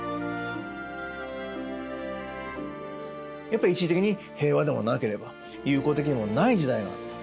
やっぱり一時的に平和でもなければ友好的でもない時代があった。